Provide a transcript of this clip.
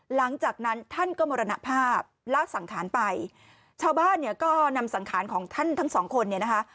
หลังจากนั้นท่านก็มรณภาพละสังขารไปชาวบ้านเนี่ยก็นำสังขารของท่านทั้งสองคนเนี่ยนะคะ